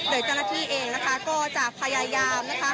โดยเจ้าหน้าที่เองนะคะก็จะพยายามนะคะ